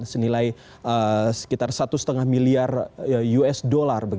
yang menilai sekitar satu lima miliar usd